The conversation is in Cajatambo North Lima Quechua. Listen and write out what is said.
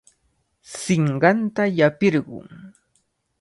Sinqanta llapirqun.